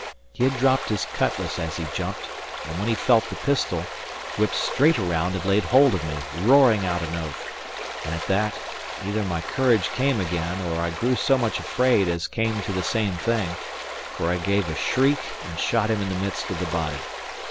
He had dropped his cutlass as he jumped, and when he felt the pistol, whipped straight round and laid hold of me, roaring out an oath; and at that either my courage came again, or I grew so much afraid as came to the same thing; for I gave a shriek and shot him in the midst of the body.